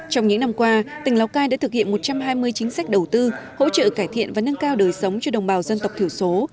trong những năm qua tỉnh lào cai đã thực hiện một trăm hai mươi chính sách đầu tư hỗ trợ cải thiện và nâng cao đời sống cho đồng bào dân tộc thiểu số